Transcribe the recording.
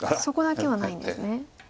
そこだけはないんですね。